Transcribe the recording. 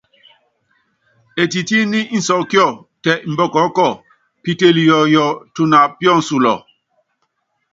Ɛtɛɛtini insɔkíɔ, tɛ imbɔkɔɔ́kɔ, pitelu yɔɔyɔ, tuna píɔnsulɔ.